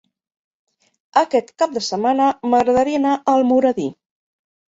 Aquest cap de setmana m'agradaria anar a Almoradí.